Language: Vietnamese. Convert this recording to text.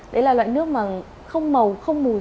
đấy là loại nước mà không màu không mùi